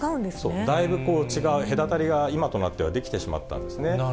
そう、だいぶ違う、隔たりが今となってはできてしまったんですね。